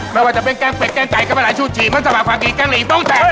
ไม่ว่าจะเป็นแกงเป็นแกงไก่ก็ไม่ร้ายชูชีมันสมัครฟังกิจแกงหลีต้องแจ้ง